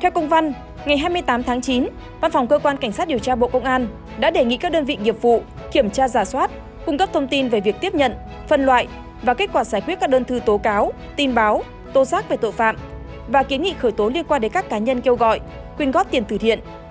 theo công văn ngày hai mươi tám tháng chín văn phòng cơ quan cảnh sát điều tra bộ công an đã đề nghị các đơn vị nghiệp vụ kiểm tra giả soát cung cấp thông tin về việc tiếp nhận phân loại và kết quả giải quyết các đơn thư tố cáo tin báo tố xác về tội phạm và kiến nghị khởi tố liên quan đến các cá nhân kêu gọi quyên góp tiền tử thiện